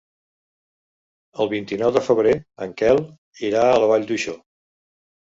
El vint-i-nou de febrer en Quel irà a la Vall d'Uixó.